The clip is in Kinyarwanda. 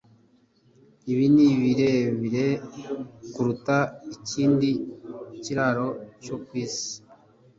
ibi ni birebire kuruta ikindi kiraro cyo kwisi